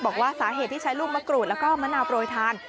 บอกว่าสาเหตุที่ใช้ลูกมะกรูดแล้วก็มะนาวโปรยทาน